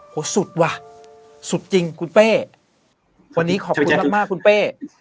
สุดว่ะสุดจริงคุณเป้วันนี้ขอบคุณมากคุณเป้